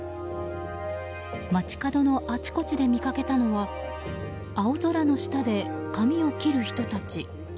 街角のあちこちで見かけたのは青空の下で髪を切る人たち。